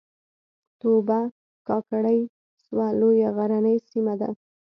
توبه کاکړۍ سوه لویه غرنۍ سیمه ده